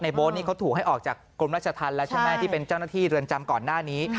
ในโบสต์นี่เขาถูกให้ออกจากกรุงราชทันที่เป็นเจ้าหน้าที่เรือนจำก่อนหน้านี้